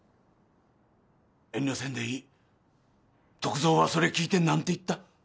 遠慮せんでいい篤蔵はそれ聞いて何て言った？